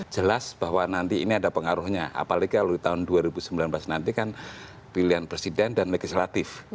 jelas bahwa nanti ini ada pengaruhnya apalagi kalau di tahun dua ribu sembilan belas nanti kan pilihan presiden dan legislatif